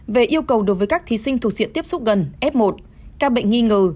về yêu cầu đối với các thí sinh thuộc diện tiếp xúc gần f một ca bệnh nghi ngờ